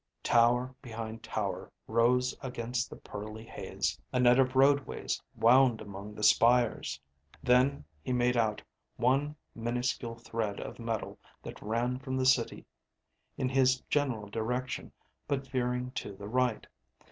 Tower behind tower rose against the pearly haze. A net of roadways wound among the spires. Then he made out one minuscule thread of metal that ran from the city, in his general direction but veering to the right.